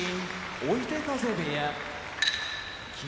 追手風部屋霧